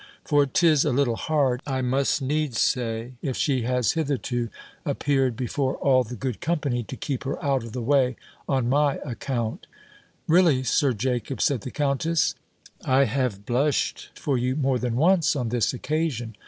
For 'tis a little hard, I must needs say, if she has hitherto appeared before all the good company, to keep her out of the way on my account." "Really, Sir Jacob," said the countess, "I have blushed for you more than once on this occasion.